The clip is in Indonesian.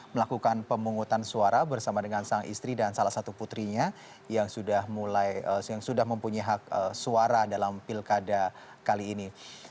melakukan pemungutan suara bersama dengan sang istri dan salah satu putrinya yang sudah mempunyai hak suara dalam pilkada kali ini